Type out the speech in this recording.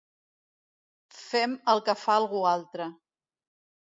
Fem el que fa algú altre.